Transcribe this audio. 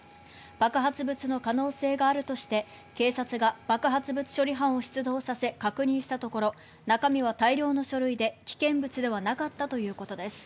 爆発物の可能性があるとして警察が爆発物処理班を出動させ確認したところ中身は大量の書類で危険物ではなかったということです。